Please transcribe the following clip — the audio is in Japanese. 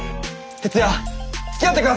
徹夜つきあって下さい！